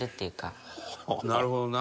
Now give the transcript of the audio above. なるほどな。